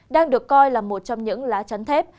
đang được coi là một trong những lá chắn thép